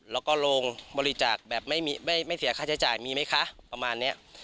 แล้วก็โรงบริจาคแบบไม่เสียค่าใช้จ่ายมีไหมคะประมาณนี้